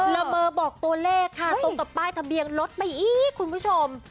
เบอร์บอกตัวเลขค่ะตรงกับป้ายทะเบียนรถไปอีกคุณผู้ชม